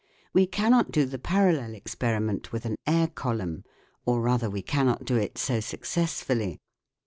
We cannot do the parallel experiment with an air column ; or rather we cannot do it so successfully.